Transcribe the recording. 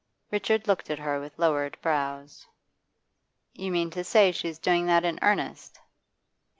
Richard looked at her with lowered brows. 'You mean to say she's doing that in earnest?